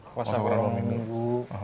kuasa kurang dua minggu